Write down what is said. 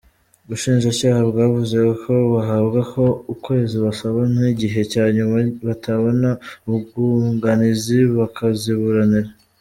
Ubushinjacyaha bwavuze ko bahabwa uko kwezi basaba nk’igihe cya nyuma, batabona umwunganizi bakaziburanira.